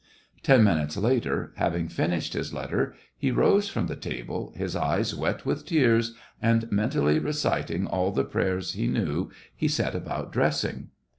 Ten minutes later, having finished his letter, he rose from the table, his eyes wet with tears, and, mentally reciting all the prayers he knew, he set about dressing.